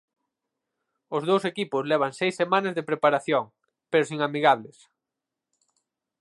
Os dous equipos levan seis semanas de preparación, pero sen amigables.